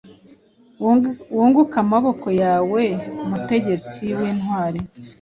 Wunguke amaboko yawemutegetsi wintwari